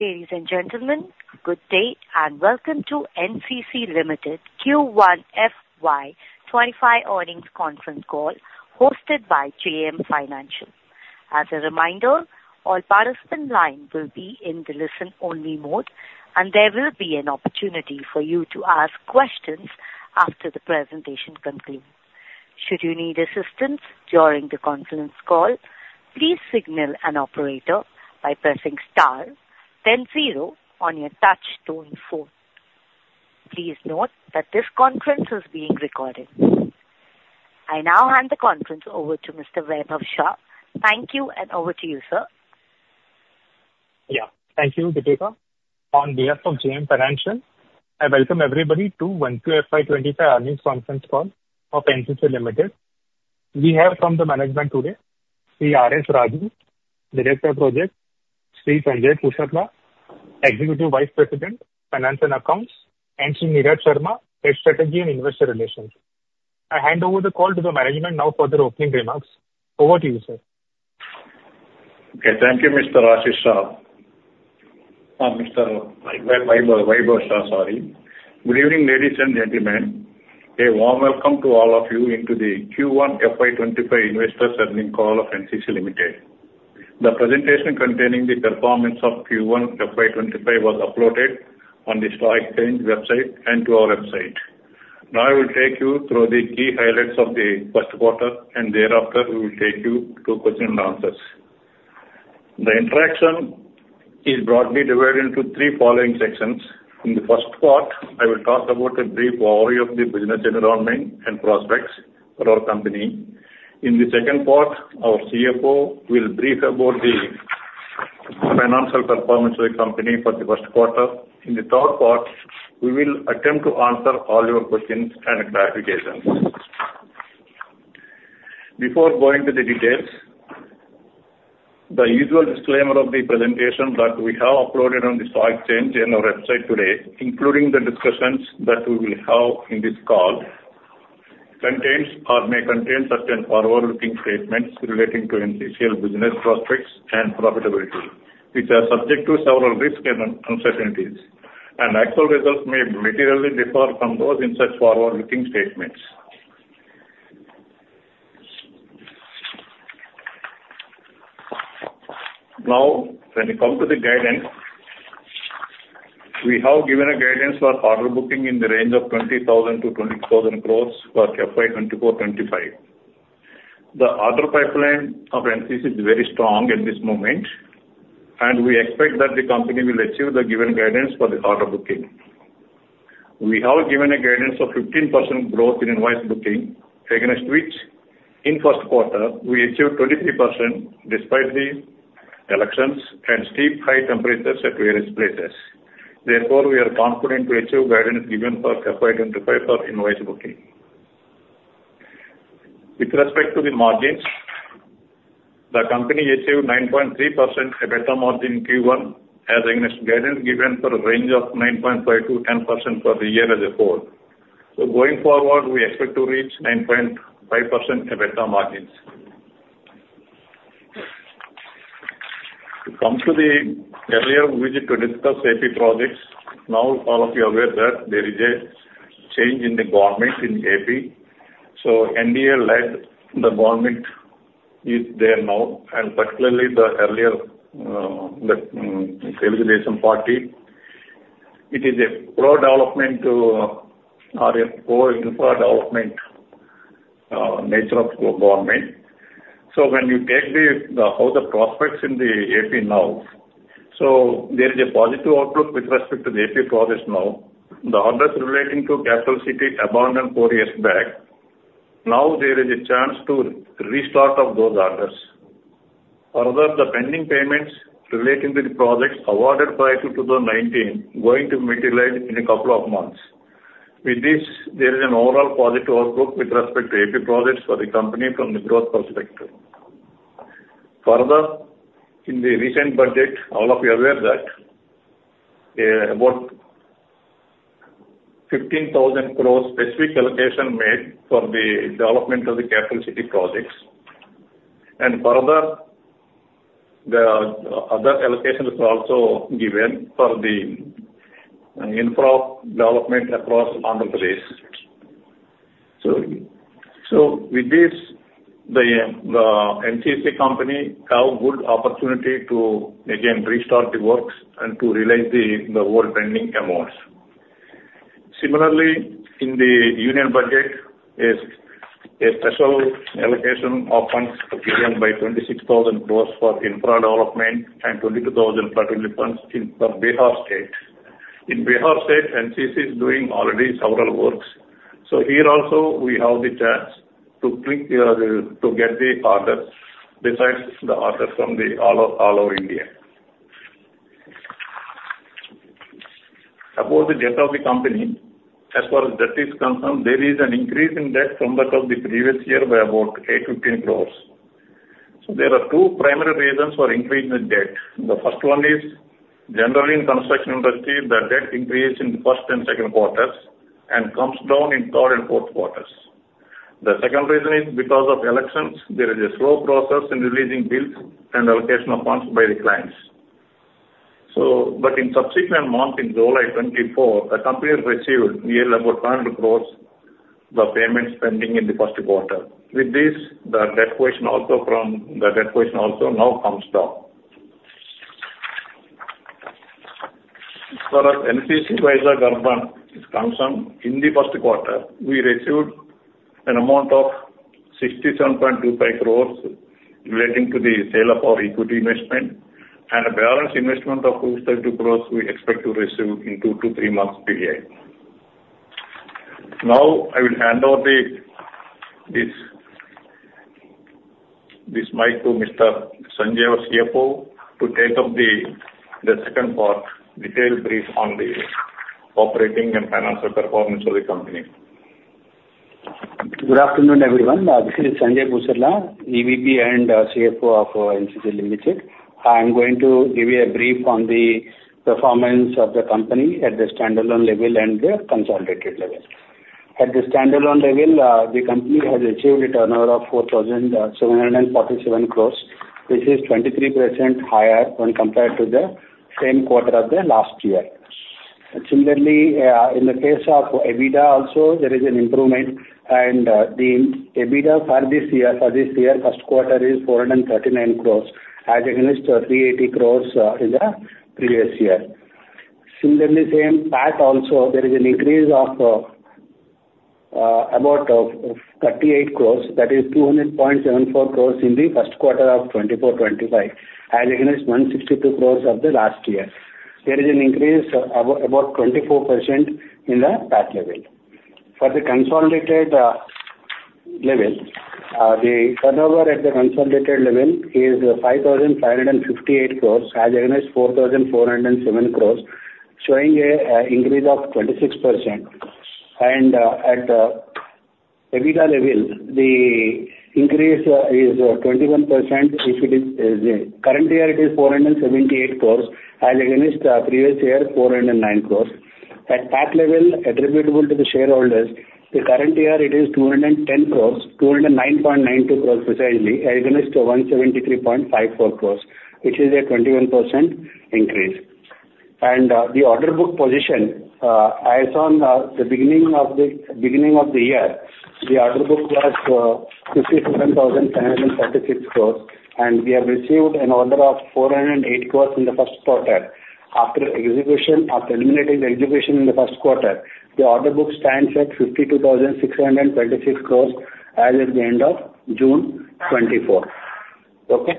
Ladies and gentlemen, good day, and welcome to NCC Limited Q1 FY25 Earnings Conference Call hosted by JM Financial. As a reminder, all participants' lines will be in the listen-only mode, and there will be an opportunity for you to ask questions after the presentation concludes. Should you need assistance during the conference call, please signal an operator by pressing star then zero on your touch-tone phone. Please note that this conference is being recorded. I now hand the conference over to Mr. Vaibhav Shah. Thank you, and over to you, sir. Yeah. Thank you, Vibeka. On behalf of JM Financial, I welcome everybody to the Q1 FY25 earnings conference call of NCC Limited. We have, from the management today, C.R.S. Raju, Director of Projects, Sanjay Pusarla, Executive Vice President, Finance and Accounts, and Neeraj Sharma, Head of Strategy and Investor Relations. I hand over the call to the management now for their opening remarks. Over to you, sir. Okay. Thank you, Mr. Raju. Sir, sorry. Good evening, ladies and gentlemen. A warm welcome to all of you into the Q1 FY 2025 investors' earnings call of NCC Limited. The presentation containing the performance of Q1 FY 2025 was uploaded on the Stock Exchange website and to our website. Now, I will take you through the key highlights of the first quarter, and thereafter, we will take you to questions and answers. The interaction is broadly divided into three following sections. In the first part, I will talk about a brief overview of the business environment and prospects for our company. In the second part, our CFO will brief about the financial performance of the company for the first quarter. In the third part, we will attempt to answer all your questions and clarifications. Before going to the details, the usual disclaimer of the presentation that we have uploaded on the Stock Exchange and our website today, including the discussions that we will have in this call, contains or may contain certain forward-looking statements relating to NCCL business prospects and profitability, which are subject to several risks and uncertainties. Actual results may materially differ from those in such forward-looking statements. Now, when it comes to the guidance, we have given a guidance for order booking in the range of 20,000-22,000 crore for FY 2024-25. The order pipeline of NCC is very strong at this moment, and we expect that the company will achieve the given guidance for the order booking. We have given a guidance of 15% growth in invoice booking, against which, in the first quarter, we achieved 23% despite the elections and steep high temperatures at various places. Therefore, we are confident to achieve guidance given for FY 2025 for invoice booking. With respect to the margins, the company achieved 9.3% EBITDA margin in Q1, as against guidance given for a range of 9.5%-10% for the year as a whole. So, going forward, we expect to reach 9.5% EBITDA margins. It comes to the earlier visit to discuss AP projects. Now, all of you are aware that there is a change in the government in AP. So, NDA-led government is there now, and particularly the earlier ruling party. It is a pro-development or a pro-infra development nature of the government. So, when you take the prospects in the AP now, there is a positive outlook with respect to the AP projects now. The orders relating to Capital City abandoned four years back. Now, there is a chance to restart those orders. Further, the pending payments relating to the projects awarded prior to 2019 are going to materialize in a couple of months. With this, there is an overall positive outlook with respect to AP projects for the company from the growth perspective. Further, in the recent budget, all of you are aware that about 15,000 crore specific allocation made for the development of the Capital City projects. And further, the other allocations were also given for the infra development across Andhra Pradesh. So, with this, the NCC company has a good opportunity to, again, restart the works and to realize the unbilled amounts. Similarly, in the union budget, there is a special allocation of funds given by 26,000 crore for infra development and 22,000 crore funds for Bihar State. In Bihar State, NCC is doing already several works. So, here also, we have the chance to get the orders besides the orders from all over India. About the debt of the company, as far as debt is concerned, there is an increase in debt from that of the previous year by about 8-15 crores. So, there are two primary reasons for increase in the debt. The first one is, generally, in the construction industry, the debt increased in the first and second quarters and comes down in the third and fourth quarters. The second reason is because of elections. There is a slow process in releasing bills and allocation of funds by the clients. So, but in subsequent months, in July 2024, the company received nearly about 500 crores of payment spending in the first quarter. With this, the debt question also from the debt question also now comes down. NCC Vizag Urban Infrastructure Limited is concerned, in the first quarter, we received an amount of 67.25 crore relating to the sale of our equity investment and a balance investment of 232 crore we expect to receive in two to three months' period. Now, I will hand over this mic to Mr. Sanjay, our CFO, to take up the second part, detailed brief on the operating and financial performance of the company. Good afternoon, everyone. This is Sanjay Pusarla, EVP and CFO of NCC Limited. I'm going to give you a brief on the performance of the company at the standalone level and the consolidated level. At the standalone level, the company has achieved a turnover of 4,747 crore, which is 23% higher when compared to the same quarter of the last year. Similarly, in the case of EBITDA, also, there is an improvement. The EBITDA for this year, for this year, first quarter is 439 crore, as against 380 crore in the previous year. Similarly, same PAT also, there is an increase of about 38 crore. That is 200.74 crore in the first quarter of 2024-25, as against 162 crore of the last year. There is an increase of about 24% in the PAT level. For the consolidated level, the turnover at the consolidated level is 5,558 crore, as against 4,407 crore, showing an increase of 26%. And at the EBITDA level, the increase is 21%. If it is current year, it is 478 crore, as against the previous year, 409 crore. At PAT level, attributable to the shareholders, the current year, it is 210 crore, 209.92 crore precisely, as against 173.54 crore, which is a 21% increase. The order book position, as on the beginning of the year, the order book was 57,536 crores, and we have received an order of 408 crores in the first quarter. After eliminating the execution in the first quarter, the order book stands at 52,626 crores as of the end of June 2024. Okay.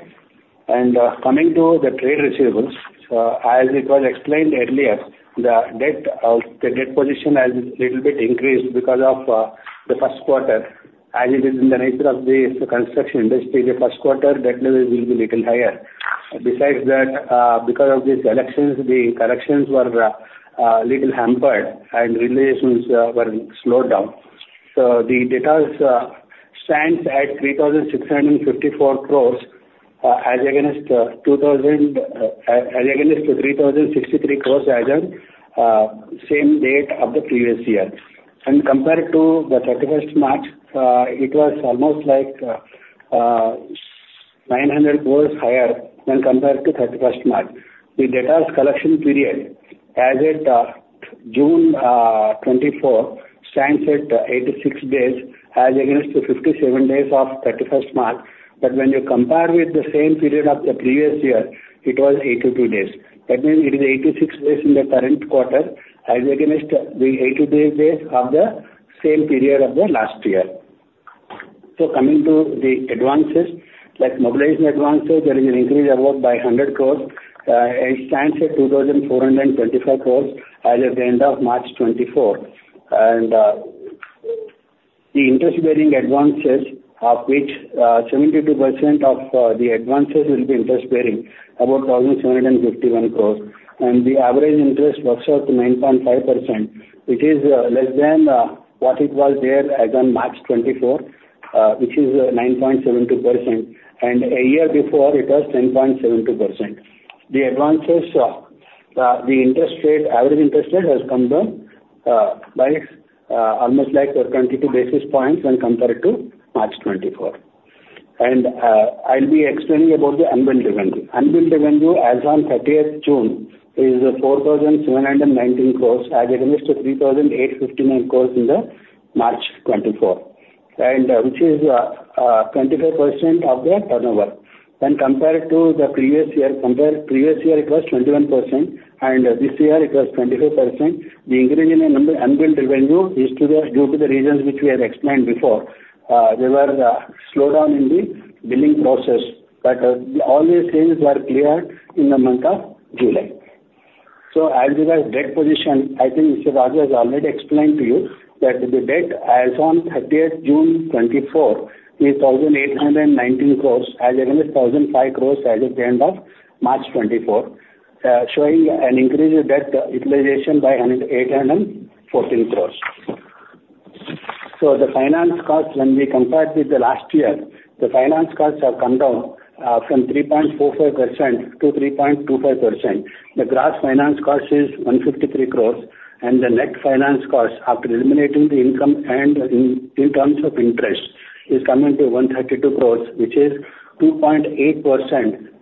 Coming to the trade receivables, as it was explained earlier, the debt position has a little bit increased because of the first quarter. As it is in the nature of the construction industry, the first quarter debt level will be a little higher. Besides that, because of these elections, the corrections were a little hampered and realizations were slowed down. The details stand at 3,654 crores, as against 3,063 crores as of the same date of the previous year. Compared to 31 March, it was almost like 900 crore higher when compared to 31 March. The debtors collection period, as of June 2024, stands at 86 days, as against the 57 days of 31 March. When you compare with the same period of the previous year, it was 82 days. That means it is 86 days in the current quarter, as against the 82 days of the same period of the last year. Coming to the advances, like mobilization advances, there is an increase of about 100 crore. It stands at 2,425 crore as of the end of March 2024. The interest-bearing advances, of which 72% of the advances will be interest-bearing, about 1,751 crore. The average interest works out to 9.5%, which is less than what it was there as of March 2024, which is 9.72%. A year before, it was 10.72%. The advances, the average interest rate has come down by almost like 22 basis points when compared to March 2024. I'll be explaining about the unbilled revenue. Unbilled revenue, as of 30th June, is 4,719 crores, as against 3,859 crores in March 2024, which is 25% of the turnover. When compared to the previous year, previous year it was 21%, and this year it was 25%. The increase in unbilled revenue is due to the reasons which we have explained before. There was a slowdown in the billing process, but all these things were cleared in the month of July. As regards to debt position, I think Mr. Raj has already explained to you that the debt as of 30th June 2024 is INR 1,819 crores, as against 1,005 crores as of the end of March 2024, showing an increase in debt utilization by 814 crores. So the finance costs, when we compared with the last year, the finance costs have come down from 3.45% to 3.25%. The gross finance cost is 153 crores, and the net finance cost, after eliminating the income and in terms of interest, is coming to 132 crores, which is 2.8%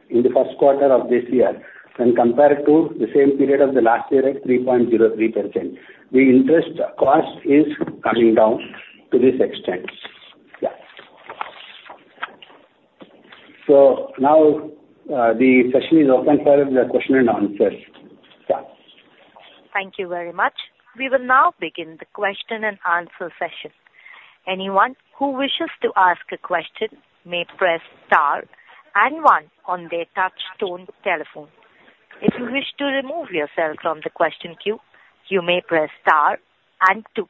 in the first quarter of this year, when compared to the same period of the last year at 3.03%. The interest cost is coming down to this extent. Yeah. So now the session is open for the question and answers. Yeah. Thank you very much. We will now begin the question and answer session. Anyone who wishes to ask a question may press star and one on their touch-tone telephone. If you wish to remove yourself from the question queue, you may press star and two.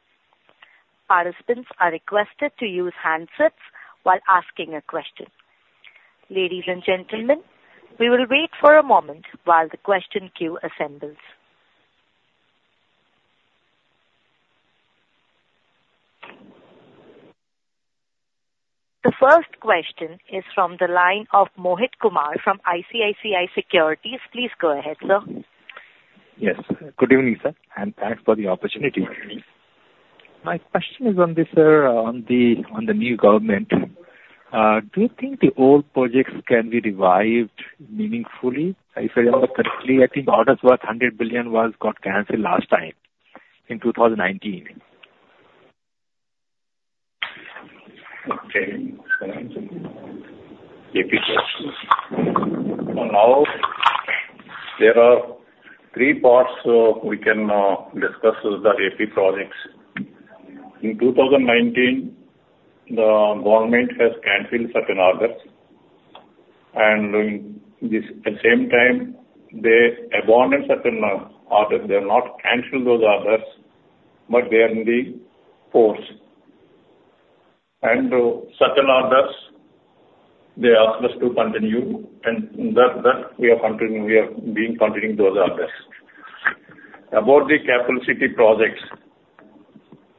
Participants are requested to use handsets while asking a question. Ladies and gentlemen, we will wait for a moment while the question queue assembles. The first question is from the line of Mohit Kumar from ICICI Securities. Please go ahead, sir. Yes. Good evening, sir, and thanks for the opportunity. My question is on this, sir, on the new government. Do you think the old projects can be revived meaningfully? If I remember correctly, I think orders worth 100 billion was got canceled last time in 2019. Okay. AP projects. Now, there are three parts we can discuss the AP projects. In 2019, the government has canceled certain orders. And at the same time, they abandoned certain orders. They have not canceled those orders, but they are in force. And certain orders, they asked us to continue, and that we are continuing those orders. About the Capital City projects,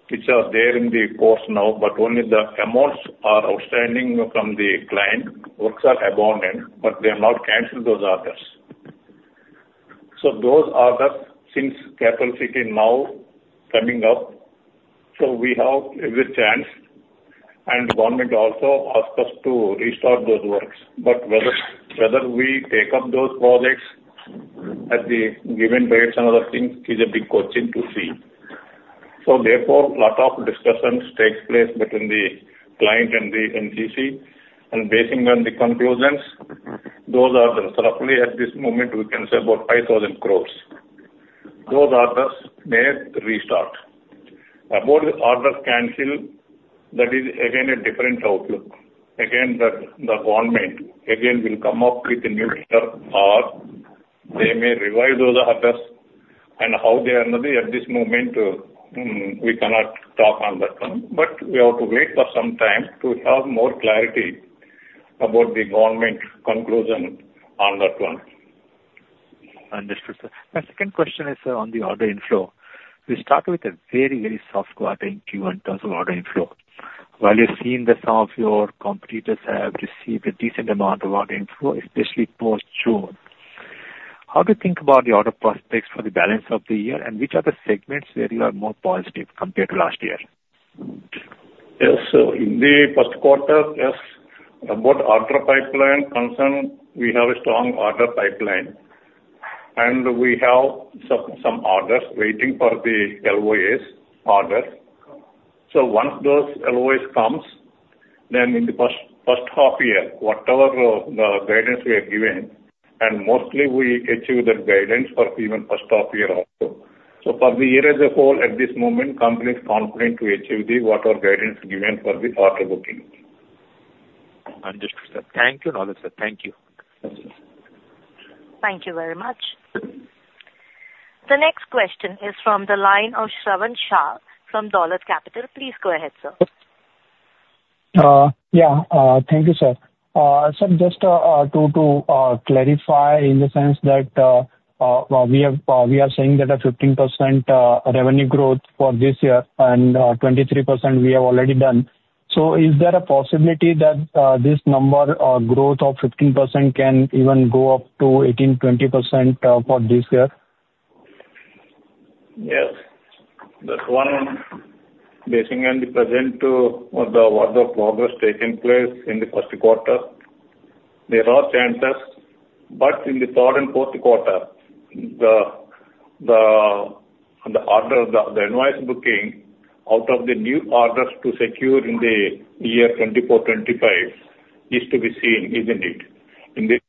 which are there in force now, but only the amounts are outstanding from the client. Works are abandoned, but they have not canceled those orders. So those orders, since Capital City now coming up, so we have a chance, and the government also asked us to restart those works. But whether we take up those projects at the given dates and other things is a big question to see. So therefore, a lot of discussions take place between the client and the NCC. Basing on the conclusions, those orders, roughly at this moment, we can say about 5,000 crore. Those orders may restart. About the order cancel, that is, again, a different outlook. Again, the government, again, will come up with a new term or they may revise those orders. And how they are going to be at this moment, we cannot talk on that one. But we have to wait for some time to have more clarity about the government conclusion on that one. Understood, sir. My second question is on the order inflow. We start with a very, very soft quarter in Q1 terms of order inflow. While you've seen that some of your competitors have received a decent amount of order inflow, especially post-June, how do you think about the order prospects for the balance of the year, and which are the segments where you are more positive compared to last year? Yes. So in the first quarter, yes, about order pipeline concern, we have a strong order pipeline. And we have some orders waiting for the LOAs orders. So once those LOAs come, then in the first half year, whatever the guidance we have given, and mostly we achieve that guidance for even first half year also. So for the year as a whole, at this moment, the company is confident to achieve whatever guidance given for the order booking. Understood, sir. Thank you, another sir. Thank you. Thank you very much. The next question is from the line of Shravan Shah from Dolat Capital. Please go ahead, sir. Yeah. Thank you, sir. Sir, just to clarify in the sense that we are seeing that a 15% revenue growth for this year and 23% we have already done. So is there a possibility that this number growth of 15% can even go up to 18%-20% for this year? Yes. That's one, based on the present order progress taking place in the first quarter. There are chances, but in the third and fourth quarter, the order, the invoice booking out of the new orders to secure in the year 2024-25 is to be seen, isn't it?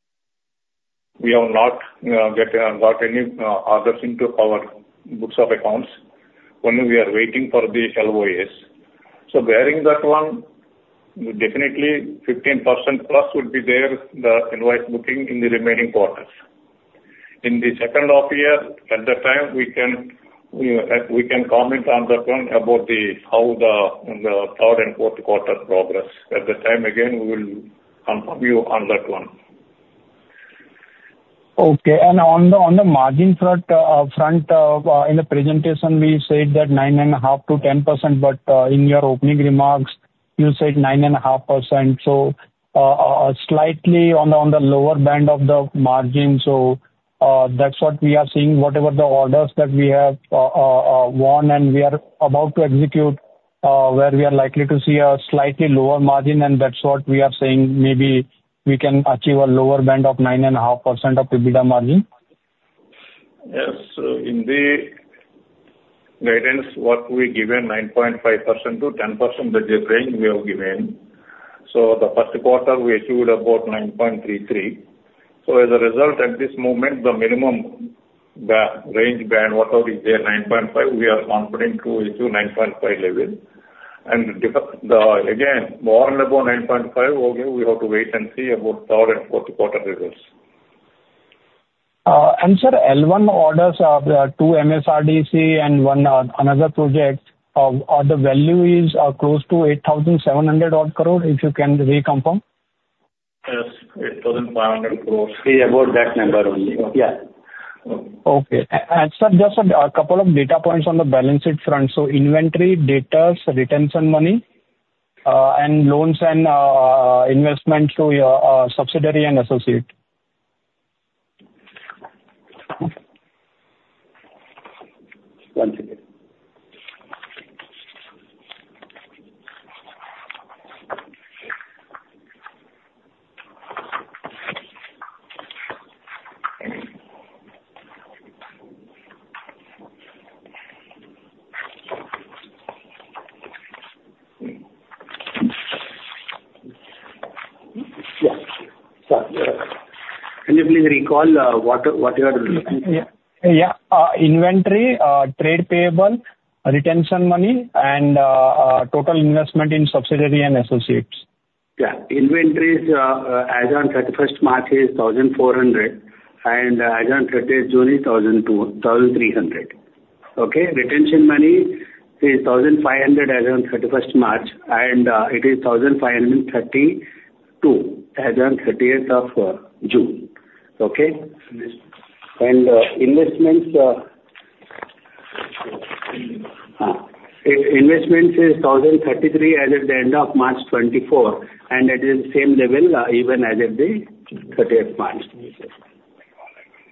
We have not got any orders into our books of accounts while we are waiting for the LOAs. So barring that one, definitely 15%+ would be there, the invoice booking in the remaining quarters. In the second half year, at that time, we can comment on that one about how the third and fourth quarter progress. At that time, again, we will confirm you on that one. Okay. And on the margin front, in the presentation, we said that 9.5%-10%, but in your opening remarks, you said 9.5%. So slightly on the lower band of the margin. So that's what we are seeing, whatever the orders that we have won, and we are about to execute where we are likely to see a slightly lower margin, and that's what we are saying maybe we can achieve a lower band of 9.5% EBITDA margin. Yes. So in the guidance work we given, 9.5%-10% that we have given. So the first quarter, we achieved about 9.33%. So as a result, at this moment, the minimum range band, whatever is there, 9.5%, we are confident to achieve 9.5% level. And again, more or less about 9.5%, okay, we have to wait and see about third and fourth quarter results. Sir, L1 orders are two MSRDC and one another project. The value is close to 8,700 crore, if you can reconfirm? Yes. 8,500 crores. We are above that number only. Yeah. Okay. And sir, just a couple of data points on the balance sheet front. So inventory data, retention money, and loans and investment to subsidiary and associate. One second. Yeah. Sir, can you please recall what you are looking for? Yeah. Inventory, trade payable, retention money, and total investment in subsidiary and associates. Yeah. Inventory is as of 31st March is 1,400, and as of 30th June, it's 1,300. Okay. Retention money is 1,500 as of 31st March, and it is 1,532 as of 30th of June. Okay. And investments is 1,033 as of the end of March 2024, and it is the same level even as of the 30th March.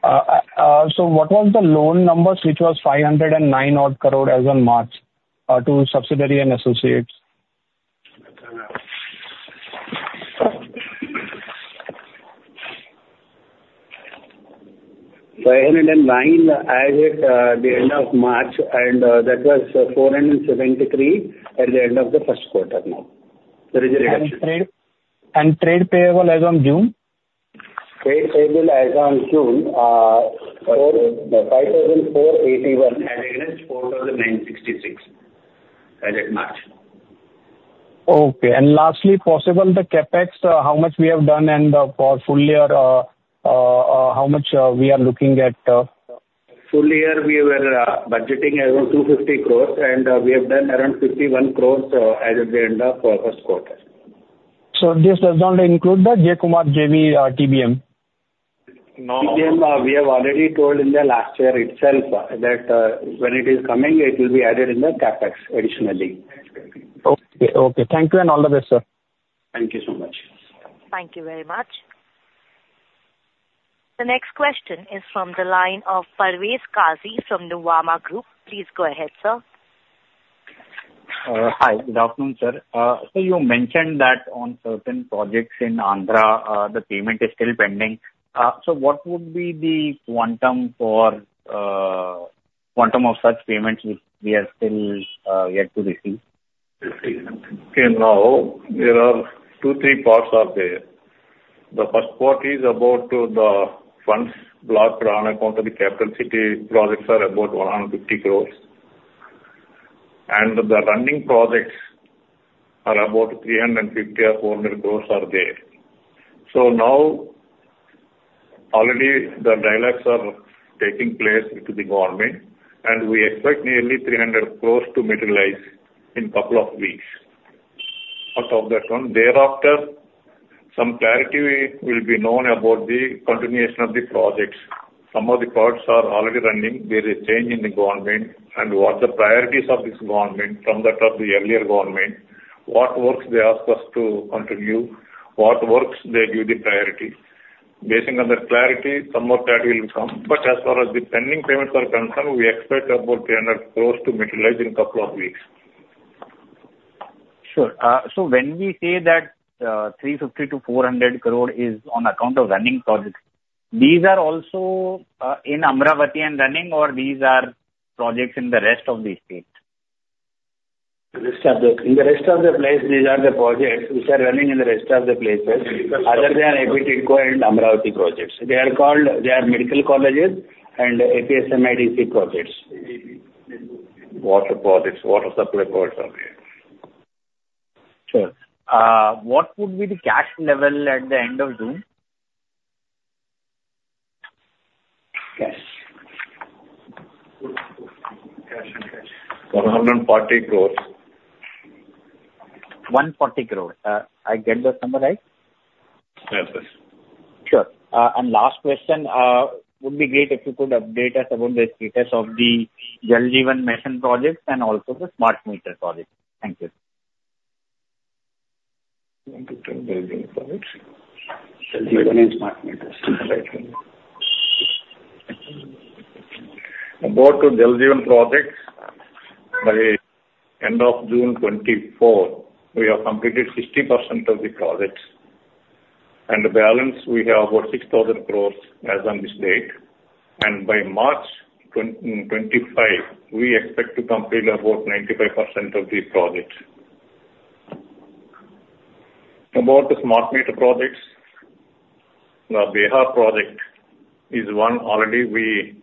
What was the loan numbers, which was 509 crore as of March to subsidiary and associates? 509 as of the end of March, and that was 473 at the end of the first quarter now. There is a reduction. Trade payable as of June? Trade payable as of June is INR 5,481, and again, INR 4,966 as of March. Okay. And lastly, possibly, the CapEx, how much we have done and for full year, how much we are looking at? Full year, we were budgeting around 250 crore, and we have done around 51 crore as of the end of the first quarter. This does not include the J. Kumar JV TBM? No. We have already told in the last year itself that when it is coming, it will be added in the CapEx additionally. Okay. Okay. Thank you and all the best, sir. Thank you so much. Thank you very much. The next question is from the line of Parvez Kazi from Nuvama Group. Please go ahead, sir. Hi. Good afternoon, sir. So you mentioned that on certain projects in Andhra, the payment is still pending. So what would be the quantum of such payments we have still yet to receive? Okay. Now, there are two or three parts out there. The first part is about the funds blocked on account of the Capital City projects are about 150 crore. And the running projects are about 350 crore or 400 crore out there. So now, already, the dialogues are taking place with the government, and we expect nearly 300 crore to materialize in a couple of weeks. Out of that one, thereafter, some clarity will be known about the continuation of the projects. Some of the projects are already running. There is change in the government, and what the priorities of this government from that of the earlier government, what works they ask us to continue, what works they give the priority. Based on that clarity, some of that will come. But as far as the pending payments are concerned, we expect about 300 crore to materialize in a couple of weeks. Sure. So when we say that 350 crore-400 crore is on account of running projects, these are also in Amaravati and running, or these are projects in the rest of the state? In the rest of the place, these are the projects which are running in the rest of the places, other than APTIDCO and Amaravati projects. They are called medical colleges and APMSIDC projects. Water projects, water supply projects. Sure. What would be the cash level at the end of June? Cash. INR 140 crore. 140 crore. I get the sum right? Yes, sir. Sure. Last question, it would be great if you could update us about the status of the Jal Jeevan Mission Project and also the Smart Meter Project. Thank you. Thank you for the Jal Jeevan and Smart Meter. About the Jal Jeevan project, by the end of June 2024, we have completed 60% of the projects. The balance we have about 6,000 crore as of this date. By March 2025, we expect to complete about 95% of the projects. About the Smart Meter projects, the Bihar project is one already we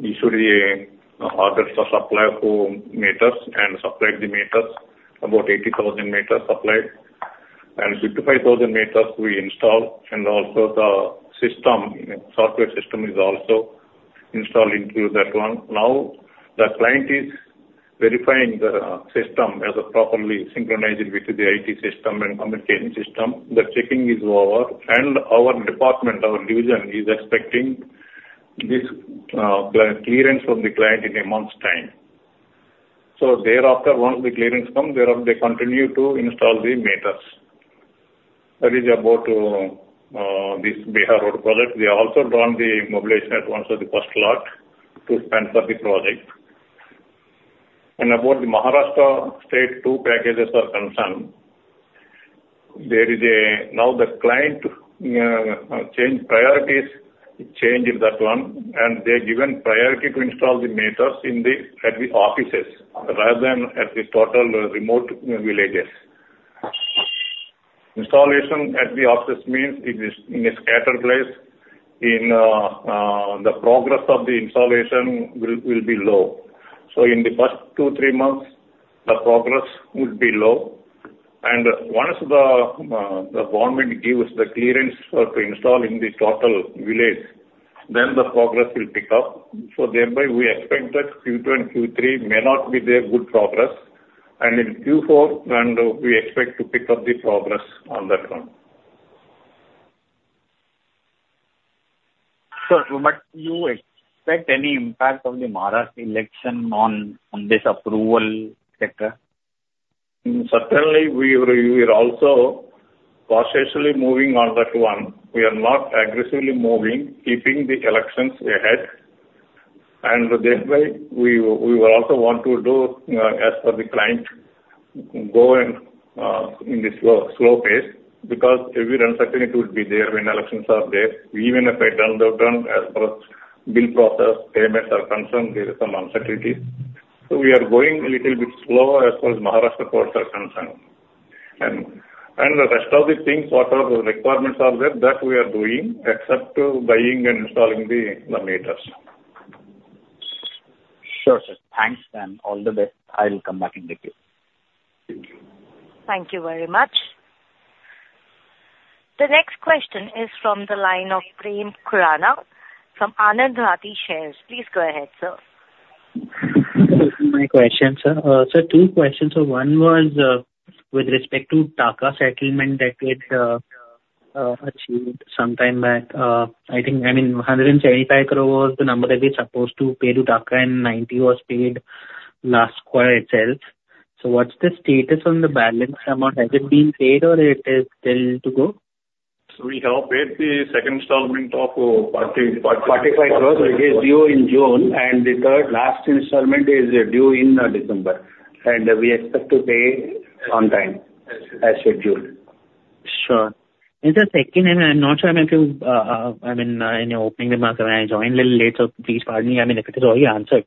issued the orders for supply of meters and supplied the meters, about 80,000 meters supplied. 55,000 meters we installed, and also the software system is also installed into that one. Now, the client is verifying the system as properly synchronized with the IT system and communication system. The checking is over, and our department, our division, is expecting this clearance from the client in a month's time. Thereafter, once the clearance comes, they continue to install the meters. That is about this Bihar project. They also done the mobilization at once of the first lot to spend for the project. And about the Maharashtra state two packages are concerned, there is now the client changed priorities, changed that one, and they are given priority to install the meters at the offices rather than at the total remote villages. Installation at the offices means in a scattered place, the progress of the installation will be low. So in the first two, three months, the progress would be low. And once the government gives the clearance to install in the total village, then the progress will pick up. So thereby, we expect that Q2 and Q3 may not be there good progress. And in Q4, we expect to pick up the progress on that one. Sir, but you expect any impact of the Maharashtra election on this approval, etc.? Certainly, we are also cautiously moving on that one. We are not aggressively moving, keeping the elections ahead. And thereby, we will also want to do, as per the client, go in this slow pace because every uncertainty would be there when elections are there. Even if I done the work done as per bill process, payments are concerned, there is some uncertainty. So we are going a little bit slow as far as Maharashtra projects are concerned. And the rest of the things, whatever requirements are there, that we are doing except buying and installing the meters. Sure, sir. Thanks then. All the best. I'll come back in a bit. Thank you. Thank you very much. The next question is from the line of Prem Khurana. From Anand Rathi Shares. Please go ahead, sir. My question, sir. Sir, two questions. So one was with respect to TAQA settlement that we had achieved sometime back. I mean, 175 crore was the number that we were supposed to pay to TAQA, and 90 crore was paid last quarter itself. So what's the status on the balance amount? Has it been paid, or it is still to go? We have paid the second installment of 45 crore which is due in June, and the third last installment is due in December. We expect to pay on time as scheduled. Sure. And the second, and I'm not sure I'm going to, I mean, in the opening remarks, I joined a little later, so please pardon me. I mean, if it is already answered.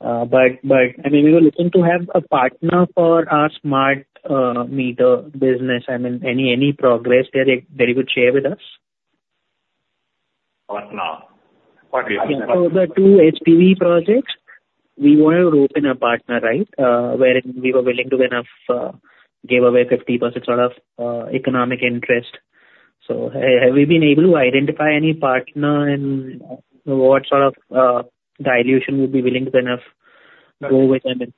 But I mean, we were looking to have a partner for our smart meter business. I mean, any progress there that you could share with us? Partner. Partner. Okay. So the two SPV projects, we want to onboard a partner, right, wherein we were willing to kind of give away 50% sort of economic interest. So have we been able to identify any partner and what sort of dilution we'd be willing to kind of go with them in?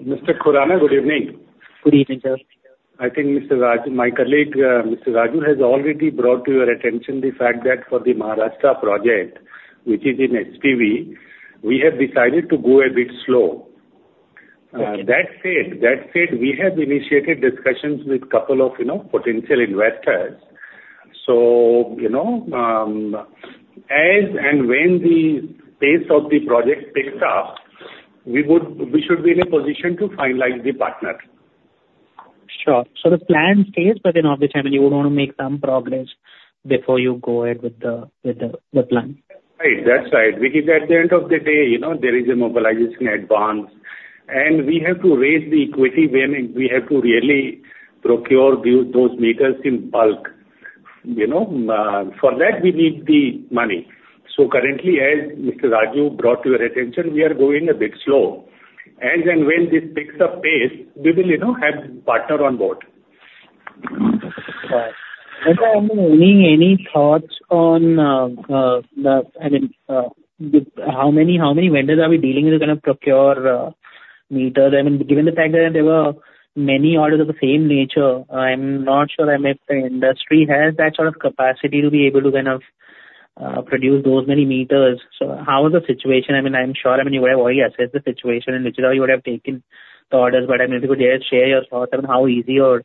Mr. Khurana, good evening. Good evening, sir. I think Mr. Raju, my colleague, Mr. Raju, has already brought to your attention the fact that for the Maharashtra project, which is in JV, we have decided to go a bit slow. That said, we have initiated discussions with a couple of potential investors. So as and when the pace of the project picks up, we should be in a position to finalize the partner. Sure. So the plan stays, but in obvious time, you would want to make some progress before you go ahead with the plan. Right. That's right. Because at the end of the day, there is a mobilization advance, and we have to raise the equity when we have to really procure those meters in bulk. For that, we need the money. So currently, as Mr. Raju brought to your attention, we are going a bit slow. As and when this picks up pace, we will have a partner on board. Sir, any thoughts on, I mean, how many vendors are we dealing with to kind of procure meters? I mean, given the fact that there were many orders of the same nature, I'm not sure if the industry has that sort of capacity to be able to kind of produce those many meters. So how is the situation? I mean, I'm sure you would have already assessed the situation in which you would have taken the orders, but I mean, if you could share your thoughts on how easy or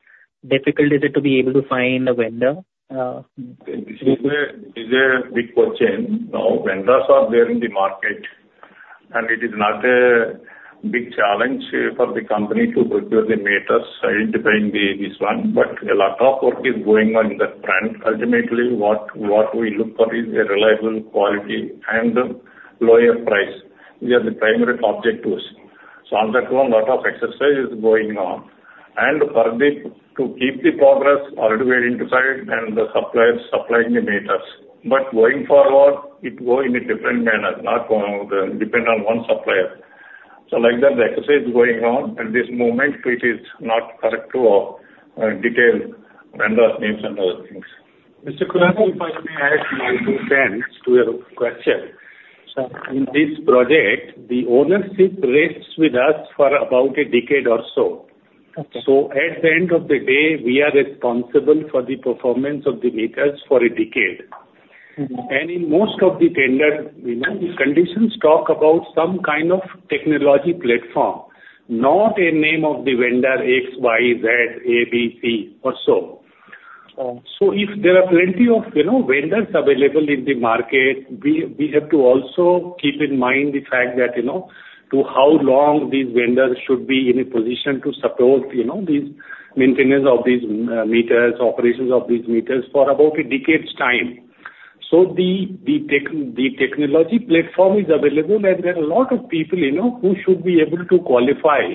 difficult is it to be able to find a vendor? It's a big question. Now, vendors are there in the market, and it is not a big challenge for the company to procure the meters identifying this one. But a lot of work is going on in that front. Ultimately, what we look for is a reliable quality and lower price. These are the primary objectives. So on that one, a lot of exercise is going on. To keep the progress, already we identified, and the suppliers supplying the meters. But going forward, it goes in a different manner, not depending on one supplier. So like that, the exercise is going on, and this moment it is not correct to detail vendor names and other things. Mr. Khurana, if I may add my two cents to your question. So in this project, the ownership rests with us for about a decade or so. So at the end of the day, we are responsible for the performance of the meters for a decade. And in most of the tenders, conditions talk about some kind of technology platform, not a name of the vendor X, Y, Z, A, B, C, or so. So if there are plenty of vendors available in the market, we have to also keep in mind the fact that to how long these vendors should be in a position to support the maintenance of these meters, operations of these meters for about a decade's time. So the technology platform is available, and there are a lot of people who should be able to qualify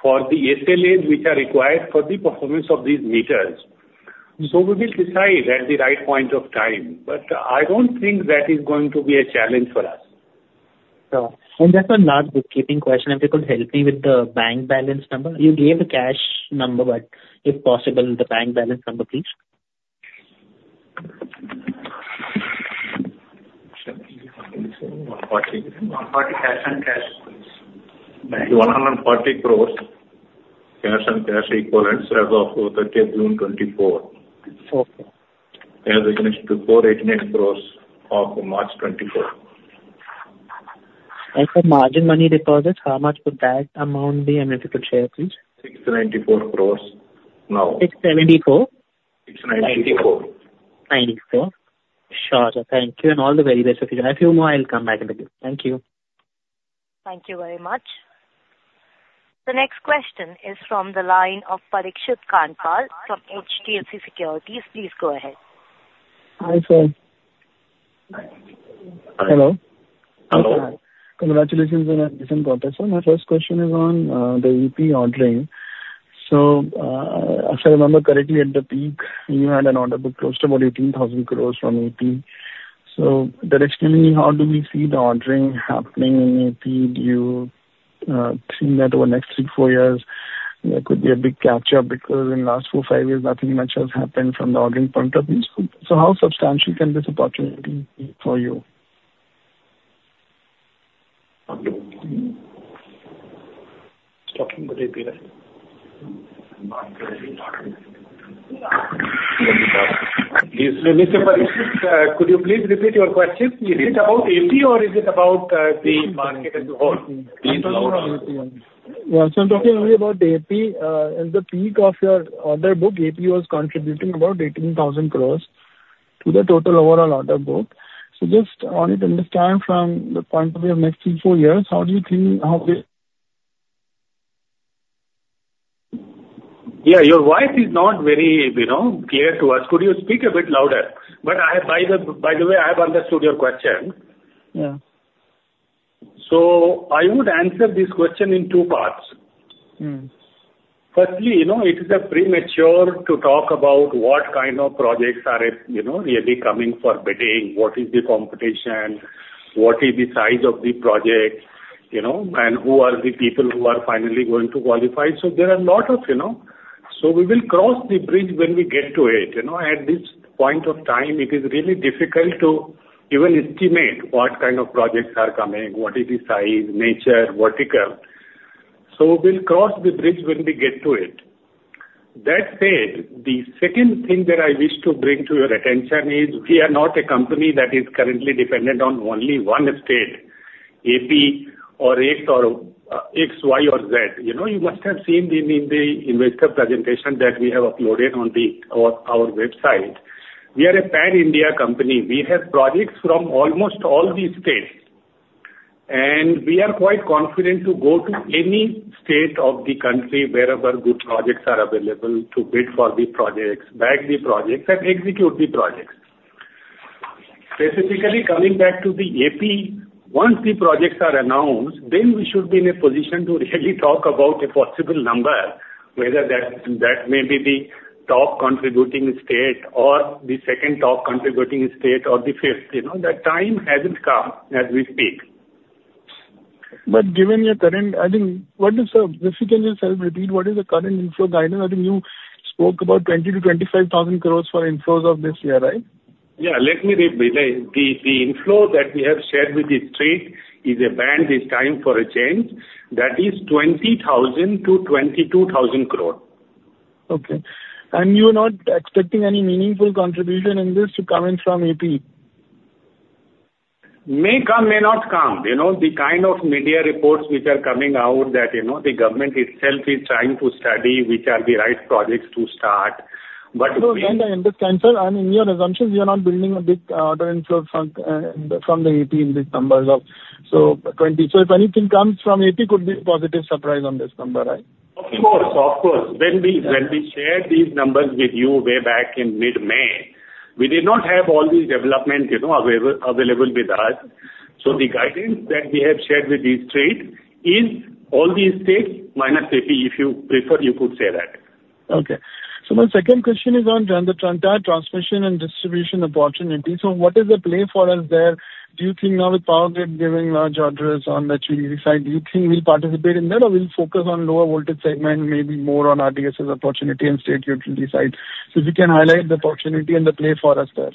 for the SLAs which are required for the performance of these meters. So we will decide at the right point of time. But I don't think that is going to be a challenge for us. Sure. And just a last bookkeeping question. If you could help me with the bank balance number. You gave the cash number, but if possible, the bank balance number, please. 140 crore cash and cash equivalents. 140 crore cash and cash equivalents as of 30th June 2024. As against before INR 89 crore of March 2024. For margin money deposits, how much would that amount be? I mean, if you could share, please. 694 crore now. 674? 694. Sure. Thank you. And all the very best for you. A few more, I'll come back in a bit. Thank you. Thank you very much. The next question is from the line of Parikshit Kandpal from HDFC Securities. Please go ahead. Hi, sir. Hello. Hello. Congratulations on that decent quarter. So my first question is on the AP ordering. So if I remember correctly, at the peak, you had an order booked close to about 18,000 crore from AP. So directionally, how do we see the ordering happening in AP? Do you think that over the next three, four years, there could be a big catch-up? Because in the last four, five years, nothing much has happened from the ordering point of view. So how substantial can this opportunity be for you? Talking with AP, right? Please. Mr. Parikshit, could you please repeat your question? Is it about AP, or is it about the market as a whole? No, no, no. Yeah. So I'm talking only about AP. At the peak of your order book, AP was contributing about 18,000 crore to the total overall order book. So just on it, understand from the point of view of next three, four years, how do you think how. Yeah. Your voice is not very clear to us. Could you speak a bit louder? But by the way, I have understood your question. Yeah. So I would answer this question in two parts. Firstly, it is premature to talk about what kind of projects are really coming for bidding, what is the competition, what is the size of the project, and who are the people who are finally going to qualify. So we will cross the bridge when we get to it. At this point of time, it is really difficult to even estimate what kind of projects are coming, what is the size, nature, vertical. So we'll cross the bridge when we get to it. That said, the second thing that I wish to bring to your attention is we are not a company that is currently dependent on only one state, AP or X, Y, or Z. You must have seen in the investor presentation that we have uploaded on our website. We are a pan-India company. We have projects from almost all the states. We are quite confident to go to any state of the country wherever good projects are available to bid for the projects, bag the projects, and execute the projects. Specifically, coming back to the AP, once the projects are announced, then we should be in a position to really talk about a possible number, whether that may be the top contributing state or the second top contributing state or the fifth. That time hasn't come as we speak. Given your current, I think, if you can just repeat, what is the current inflow guidance? I think you spoke about 20,000-25,000 crore for inflows of this year, right? Yeah. Let me repeat. The inflow that we have shared with the state is a band, is time for a change. That is 20,000 crore-22,000 crore. Okay. And you're not expecting any meaningful contribution in this to come in from AP? May come, may not come. The kind of media reports which are coming out that the government itself is trying to study which are the right projects to start. But we. No, I understand, sir. I mean, in your assumptions, you're not building a big order inflow from the AP in these numbers of so 20. So if anything comes from AP, it could be a positive surprise on this number, right? Of course. Of course. When we shared these numbers with you way back in mid-May, we did not have all these developments available with us. So the guidance that we have shared with the state is all these states minus AP, if you prefer, you could say that. Okay. So my second question is on the entire transmission and distribution opportunity. So what is the play for us there? Do you think now with Power Grid giving large orders on the transmission side, do you think we'll participate in that or we'll focus on lower voltage segment, maybe more on RDSS opportunity and state utility side? So if you can highlight the opportunity and the play for us there.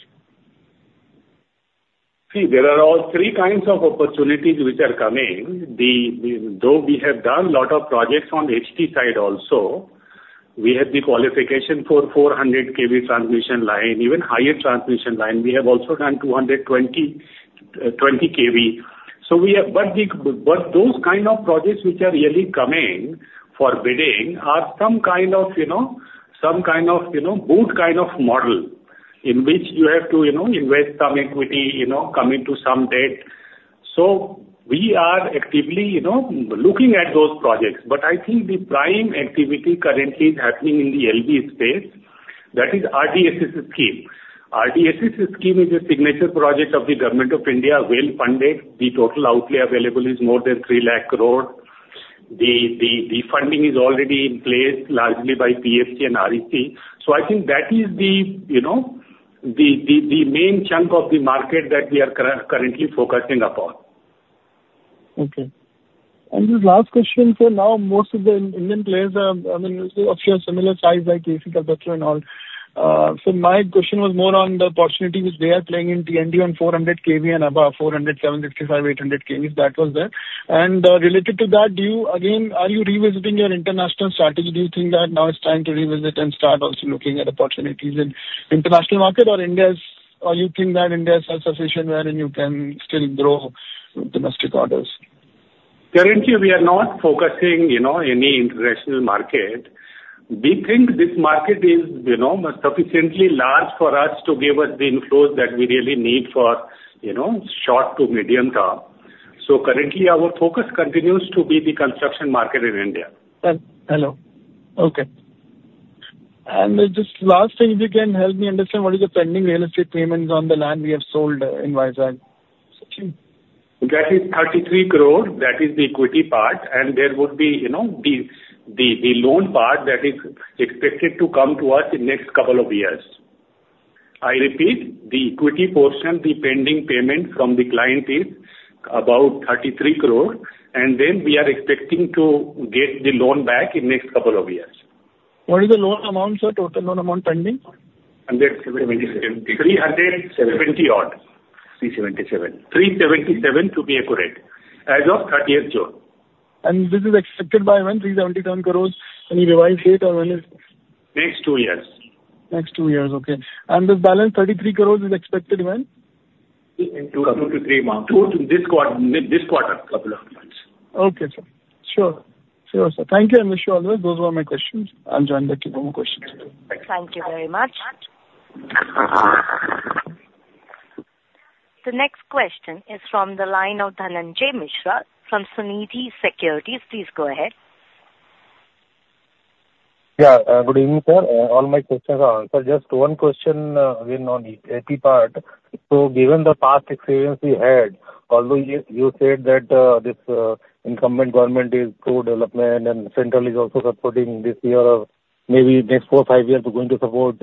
See, there are all three kinds of opportunities which are coming. Though we have done a lot of projects on HT side also, we have the qualification for 400 kV transmission line, even higher transmission line. We have also done 220 kV. But those kind of projects which are really coming for bidding are some kind of BOOT kind of model in which you have to invest some equity, coming to some date. So we are actively looking at those projects. But I think the prime activity currently is happening in the LV space. That is RDSS scheme. RDSS scheme is a signature project of the Government of India, well funded. The total outlay available is more than 300,000 crore. The funding is already in place, largely by PFC and REC. I think that is the main chunk of the market that we are currently focusing upon. Okay. Just last question. So now most of the Indian players are, I mean, of your similar size like KEC, Kalpataru and all. So my question was more on the opportunities they are playing in T&D on 400 kV and above, 400, 765, 800 kV. That was there. And related to that, again, are you revisiting your international strategy? Do you think that now it's time to revisit and start also looking at opportunities in international market or you think that India is self-sufficient wherein you can still grow domestic orders? Currently, we are not focusing any international market. We think this market is sufficiently large for us to give us the inflows that we really need for short to medium term. So currently, our focus continues to be the construction market in India. Hello. Okay. Just last thing, if you can help me understand, what is the pending real estate payments on the land we have sold in Vizag? That is 33 crore. That is the equity part. And there would be the loan part that is expected to come to us in the next couple of years. I repeat, the equity portion, the pending payment from the client is about 33 crore. And then we are expecting to get the loan back in the next couple of years. What is the loan amount, sir? Total loan amount pending? 370 odd. 377. 377 to be accurate. As of 30th June. This is expected by when? 377 crore? Any revised date or when is? Next two years. Next two years. Okay. This balance, 33 crore, is expected when? In 2-3 months. This quarter. Okay, sir. Sure. Sure, sir. Thank you, Mr. Alvarez. Those were my questions. I'll join back in for more questions. Thank you very much. The next question is from the line of Dhananjay Mishra from Sunidhi Securities. Please go ahead. Yeah. Good evening, sir. All my questions are answered. Just one question again on AP part. So given the past experience we had, although you said that this incumbent government is pro-development and central is also supporting this year or maybe next 4-5 years going to support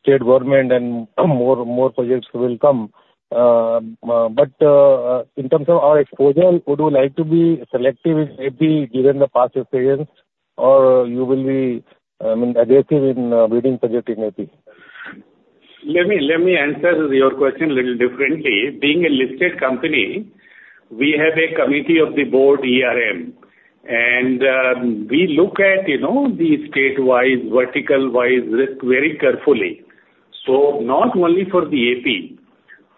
state government and more projects will come. But in terms of our exposure, would we like to be selective in AP given the past experience or you will be, I mean, aggressive in bidding project in AP? Let me answer your question a little differently. Being a listed company, we have a committee of the board, and we look at the statewise, vertical-wise risk very carefully. So not only for the AP,